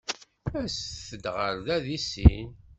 Aset-d ɣer da deg sin.